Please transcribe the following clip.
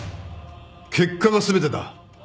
結果が全てだ。